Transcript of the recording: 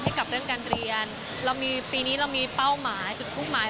กับเรื่องการเรียนเรามีปีนี้เรามีเป้าหมายจุดมุ่งหมาย